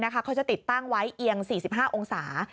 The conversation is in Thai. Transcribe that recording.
เขาจะติดตั้งไว้เอียง๔๕องศา